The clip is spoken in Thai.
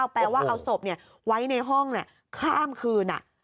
แปลว่าเอาศพไว้ในห้องข้ามคืน